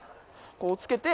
こうつけて。